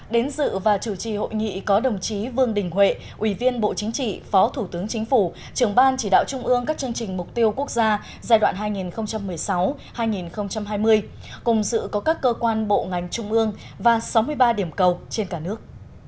đến dự và chủ trì hội nghị có đồng chí vương đình huệ ủy viên bộ chính trị phó thủ tướng chính phủ trưởng ban chỉ đạo trung ương các chương trình mục tiêu quốc gia giai đoạn hai nghìn một mươi sáu hai nghìn hai mươi cùng dự có các cơ quan bộ ngành trung ương và sáu mươi ba điểm cầu trên cả nước